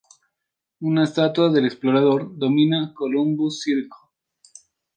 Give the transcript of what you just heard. Una estatua del explorador domina "Columbus Circle".